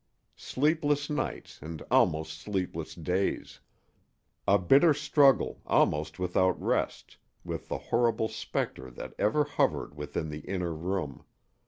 Sleepless nights and almost sleepless days. A bitter struggle, almost without rest, with the horrible specter that ever hovered within the inner room.